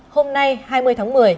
hôm nay hai mươi tháng một mươi